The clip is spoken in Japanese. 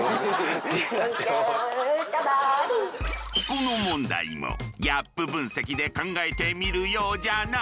この問題もギャップ分析で考えてみるようじゃな！